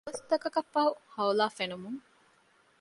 ދުވަސްތަކަކަށްފަހު ހައުލާ ފެނުމުން